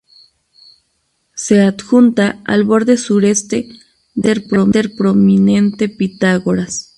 Se adjunta al borde sureste del cráter prominente Pitágoras.